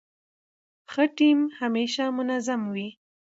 ښه ټیم همېشه منظم يي.